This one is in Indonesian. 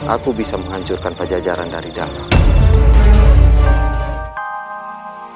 aku bisa menghancurkan pajajaran dari dalam